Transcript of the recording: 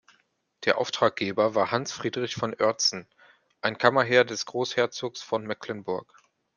Der Auftraggeber war Hans Friedrich von Oertzen, ein Kammerherr des Großherzogs von Mecklenburg.